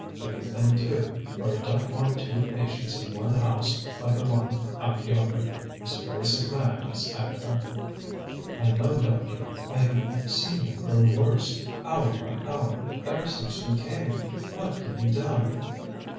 A good thing, too; for I don't want two patients in one house like the one out yonder. He's a very sick man, Miss Agatha." "I know, Doctor. I have seen him grow worse, hour by hour, ever since we came. What can be done?"